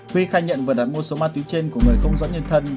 huy khai nhận vừa đặt mua số ma túy trên của người không dõi nhân thân